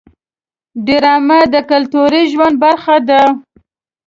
ډرامه د کلتوري ژوند برخه ده